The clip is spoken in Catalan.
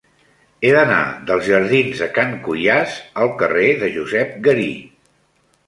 He d'anar dels jardins de Can Cuiàs al carrer de Josep Garí.